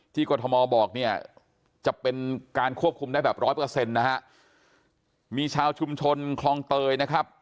กรทมบอกเนี่ยจะเป็นการควบคุมได้แบบร้อยเปอร์เซ็นต์นะฮะมีชาวชุมชนคลองเตยนะครับ